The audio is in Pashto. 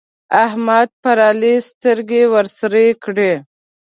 احمد پر علي سترګې ورسرې کړې.